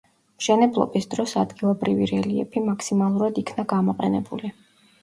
მშენებლობის დროს ადგილობრივი რელიეფი მაქსიმალურად იქნა გამოყენებული.